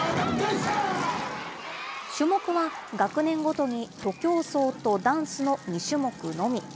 種目は学年ごとに徒競走とダンスの２種目のみ。